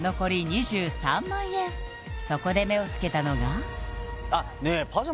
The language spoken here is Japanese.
そこで目をつけたのがあっねえ